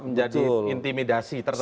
masa menjadi intimidasi tertentu